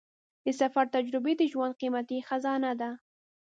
د سفر تجربې د ژوند قیمتي خزانه ده.